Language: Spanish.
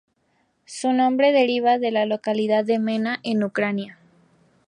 Su nombre deriva del de la localidad de Mena, en Ucrania.